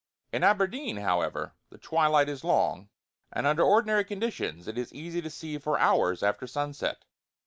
In Aberdeen, however, the twilight is long, and under ordinary conditions it is easy to see for hours after sunset.